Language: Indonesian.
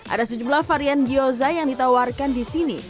ada sejumlah varian gyoza yang ditawarkan disini